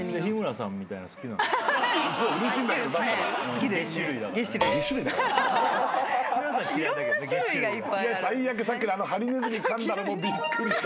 さっきのハリネズミかんだのもびっくりした。